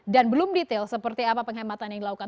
dan belum detail seperti apa penghematan yang dilakukan